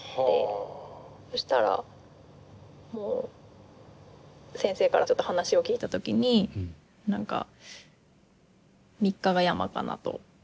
そしたらもう先生からちょっと話を聞いた時に何か３日がヤマかなと。